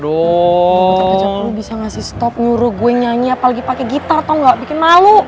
botol kecap lo bisa ngasih stop nyuruh gue nyanyi apalagi pakai gitar tau nggak bikin malu